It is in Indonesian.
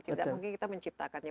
kita mungkin kita menciptakannya